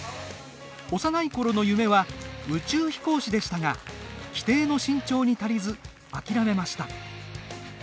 幼いころの夢は宇宙飛行士でしたが規定の身長に足りず諦めました。